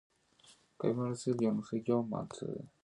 ¡Zixcám coi canoaa com cöhahásacot!